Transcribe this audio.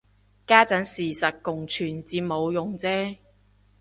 家陣事實共存至冇用啫